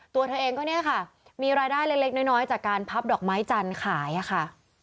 ตัวเธอเองก็เนี่ยค่ะมีรายได้เล็กน้อยจากการพับดอกไม้จันทร์ขายค่ะ